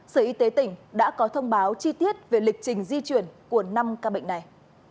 sở y tế tỉnh đã có thông báo chi tiết về lịch trình di chuyển của năm ca bệnh này